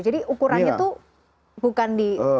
jadi ukurannya tuh bukan di usia